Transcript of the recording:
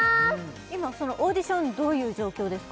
今そのオーディションどういう状況ですか？